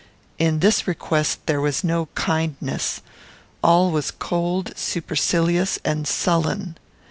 In this request there was no kindness. All was cold, supercilious, and sullen.